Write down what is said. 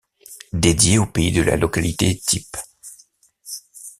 Dédié au pays de la localité type.